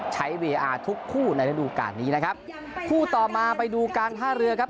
เวอาร์ทุกคู่ในระดูการนี้นะครับคู่ต่อมาไปดูการท่าเรือครับ